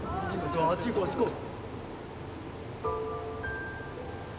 あっち行こうあっち行こう